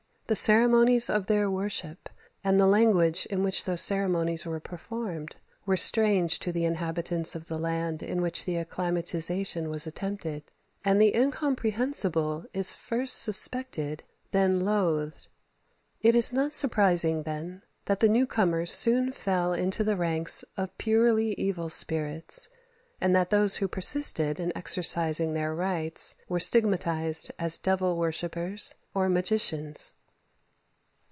The ceremonies of their worship, and the language in which those ceremonies were performed, were strange to the inhabitants of the land in which the acclimatization was attempted; and the incomprehensible is first suspected, then loathed. It is not surprising, then, that the new comers soon fell into the ranks of purely evil spirits, and that those who persisted in exercising their rites were stigmatized as devil worshippers, or magicians.